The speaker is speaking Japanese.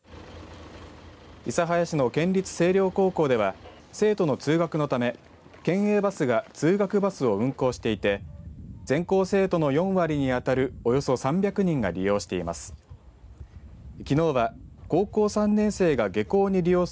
諫早市の県立西陵高校では生徒の通学のため県営バスが通学バスを運行していて全校生徒の４割に当たるおよそ３００人が利用しています。